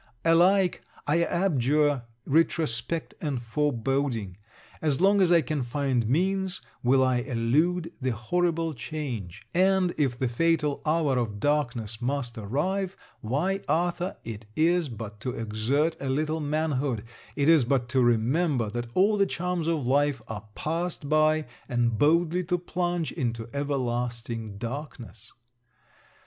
Alike, I abjure retrospect and foreboding. As long as I can find means, will I elude the horrible change; and, if the fatal hour of darkness must arrive, why, Arthur, it is but to exert a little manhood, it is but to remember that all the charms of life are passed by, and boldly to plunge into everlasting darkness.